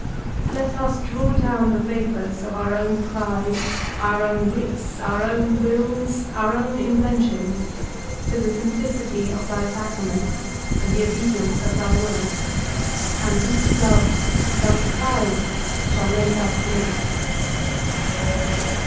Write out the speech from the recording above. Let us draw down the vapours of our own pride, our own wits, our own wills, our own inventions, to the simplicity of thy sacraments and the obedience of thy word; and these doves, thus applied, shall make us live.